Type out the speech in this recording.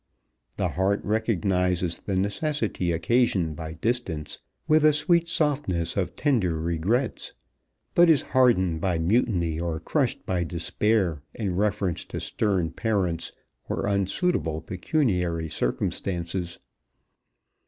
The heart recognizes the necessity occasioned by distance with a sweet softness of tender regrets, but is hardened by mutiny, or crushed by despair in reference to stern parents or unsuitable pecuniary circumstances.